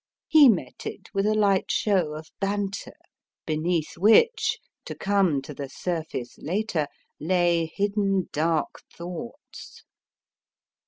He met it with a light show of banter beneath which, to come to the surface later, lay hidden dark thoughts.